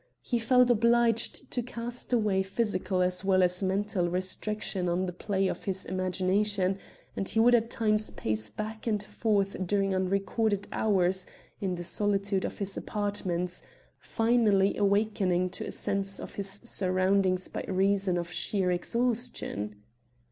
He felt obliged to cast away physical as well as mental restriction on the play of his imagination, and he would at times pace back and forth during unrecorded hours in the solitude of his apartments, finally awakening to a sense of his surroundings by reason of sheer exhaustion.